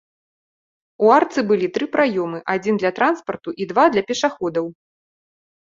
У арцы былі тры праёмы, адзін для транспарту і два для пешаходаў.